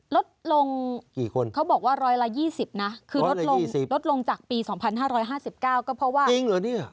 ลดลงเขาบอกว่า๑๒๐นะคือลดลงจากปี๒๕๕๙ก็เพราะว่าจริงเหรอเนี่ย